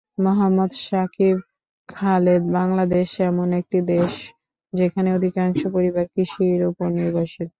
মোহাম্মদ সাকিব খালেদবাংলাদেশ এমন একটি দেশ, যেখানে অধিকাংশ পরিবার কৃষির ওপর নির্ভরশীল।